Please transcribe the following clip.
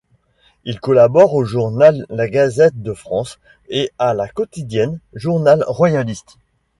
Il collabore au journal la Gazette de France et à La Quotidienne, journal royaliste.